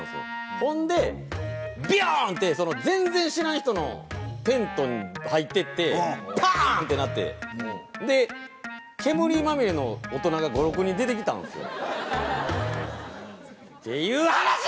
ほんでビュンって全然知らない人のテントに入ってってパン！ってなってで煙まみれの大人が５６人出て来たんですよ。